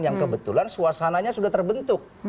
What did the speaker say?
yang kebetulan suasananya sudah terbentuk